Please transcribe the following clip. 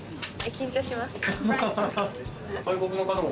緊張します。